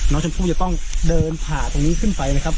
น้องชมพู่จะต้องเดินผ่าตรงนี้ขึ้นไปนะครับ